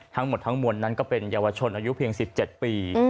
ทั้งหมดทั้งมวลนั้นก็เป็นเยาวชนอายุเพียง๑๗ปี